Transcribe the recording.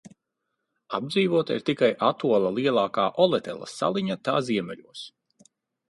Apdzīvota ir tikai atola lielākā Oletelas saliņa tā ziemeļos.